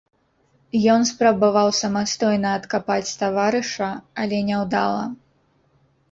Ён спрабаваў самастойна адкапаць таварыша, але няўдала.